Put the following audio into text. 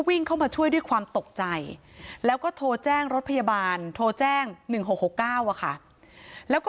วิ่งเข้ามาช่วยด้วยความตกใจแล้วก็โทรแจ้งรถพยาบาลโทรแจ้ง๑๖๖๙แล้วก็